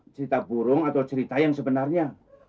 cerita burung atau cerita yang sebenarnya